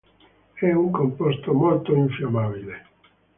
È un composto molto infiammabile.